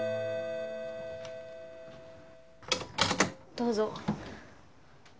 どうぞ。